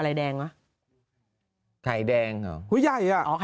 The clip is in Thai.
ฮุยยัยน่ะอะไข่แดงไข่เค็มอ่ะ